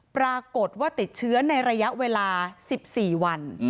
ปรากฏว่าติดเชื้อในระยะเวลา๑๔วัน